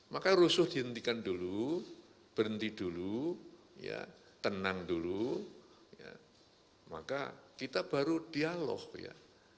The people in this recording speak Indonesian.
maka rusuh dihentikan dulu berhenti dulu ya tenang dulu maka kita baru dialog ya